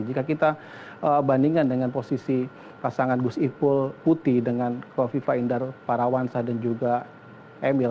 jika kita bandingkan dengan posisi pasangan gus ipul putih dengan kofifa indar parawansa dan juga emil